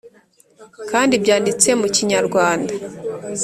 kandi byandtse mu kinyarwanda